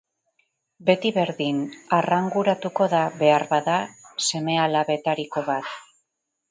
Beti berdin, arranguratuko da, beharbada, seme-alabetariko bat.